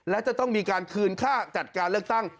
และจะต้องมีการคืนค่าจัดการเลือกตั้ง